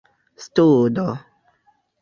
studo